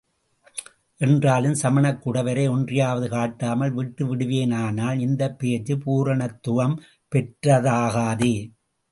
என்றாலும் சமணக் குடைவரை ஒன்றையாவது காட்டாமல் விட்டுவிடுவேனானால் இந்தப் பேச்சு பூரணத்துவம் பெற்றதாகாதே!